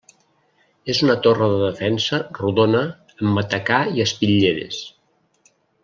És una torre de defensa rodona amb matacà i espitlleres.